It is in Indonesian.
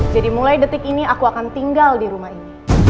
jadi mulai detik ini aku akan tinggal di rumah ini